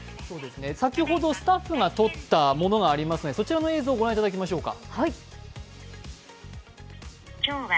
先ほどスタッフがとったものがありますのでそちらの映像をご覧いただきましょうか。